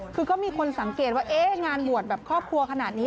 คือก็มีคนสังเกตว่างานบวชแบบครอบครัวขนาดนี้